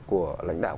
của lãnh đạo